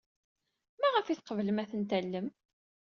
Maɣef ay tqeblem ad ten-tallem?